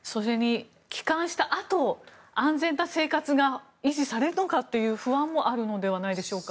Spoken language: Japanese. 帰還したあと安全な生活が維持されるのかという不安もあるのではないでしょうか。